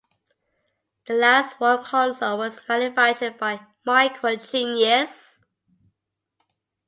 The last one console was manufactured by Micro Genius.